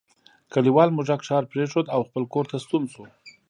کلیوال موږک ښار پریښود او خپل کور ته ستون شو.